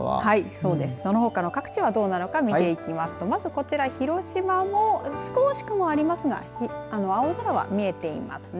そうです、そのほかの各地はどうなのか見ていくとこの広島も少し雲はありますが青空は見えていますね。